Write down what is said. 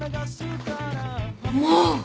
もう！